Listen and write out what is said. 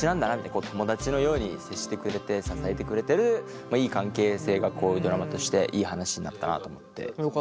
友達のように接してくれて支えてくれてるいい関係性がこういうドラマとしていい話になったなと思って。